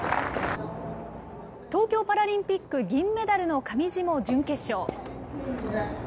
東京パラリンピック銀メダルの上地も準決勝。